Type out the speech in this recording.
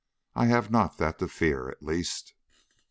I have not that to fear, at least."